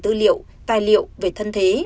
tư liệu tài liệu về thân thế